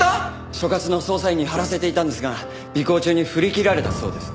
所轄の捜査員に張らせていたんですが尾行中に振り切られたそうです。